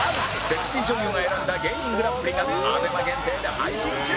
セクシー女優が選んだ芸人グランプリが ＡＢＥＭＡ 限定で配信中！